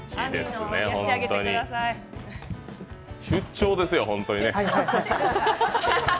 出張ですよ、ホントにね。